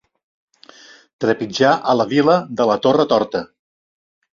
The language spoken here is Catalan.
Trepitjar a la vila de la torre torta.